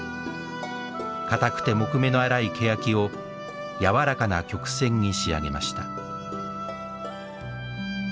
かたくて木目の粗いケヤキを柔らかな曲線に仕上げました。